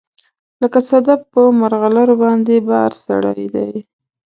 لکه صدف په مرغلروباندې بار سړی دی